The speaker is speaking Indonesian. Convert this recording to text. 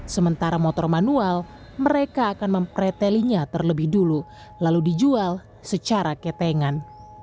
sementara motor manual mereka akan mempretelinya terlebih dulu lalu dijual secara ketengan